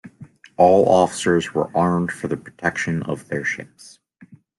All officers were armed for the protection of their ships.